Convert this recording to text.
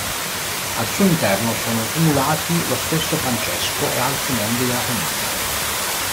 Al suo interno sono tumulati lo stesso Francesco e altri membri della famiglia.